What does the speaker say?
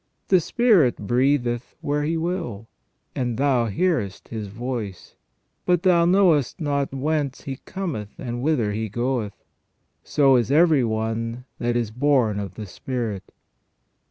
The Spirit breatheth where He will, and thou hearest His voice, but thou knowest not whence He cometh and whither He goeth : 346 THE REGENERATION OF MAN so is every one that is bom of the Spirit."